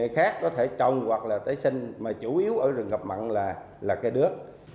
khác có thể trồng hoặc là tấy sinh mà chủ yếu ở rừng ngập mặn là cây đứa